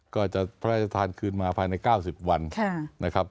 ก็จะพระราชทานคืนมาภายใน๙๐วัน